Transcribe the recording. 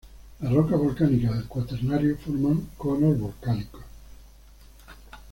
Las rocas volcánicas del Cuaternario forman conos volcánicos.